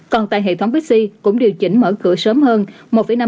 còn tại hệ thống pepsi cũng điều chỉnh mở cửa sớm hơn